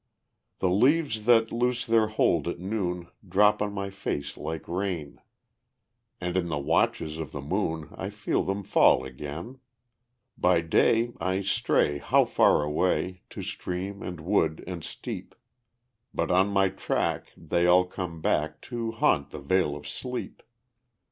The leaves that loose their hold at noon Drop on my face like rain, And in the watches of the moon I feel them fall again. By day I stray how far away To stream and wood and steep, But on my track they all come back To haunt the vale of sleep.